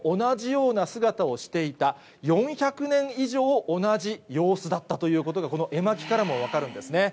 つまり、江戸時代も同じような姿をしていた、４００年以上、同じ様子だったということが、この絵巻からも分かるんですね。